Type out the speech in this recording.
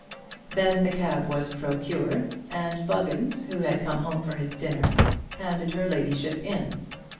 Then the cab was procured, and Buggins, who had come home for his dinner, handed her ladyship in.